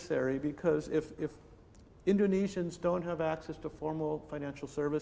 karena jika orang indonesia tidak memiliki akses ke perusahaan finansial formal